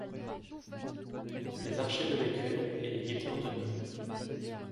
Les archers de l’écuelle et les guetteurs de nuit.